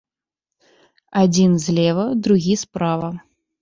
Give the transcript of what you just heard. Адзін злева, другі справа.